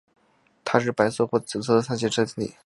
它是白色或紫色的三斜晶体。